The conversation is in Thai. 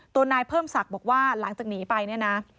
ตัวนายเพิ่มศักดิ์บอกว่าหลังจากหนีไปเนี่ยนะ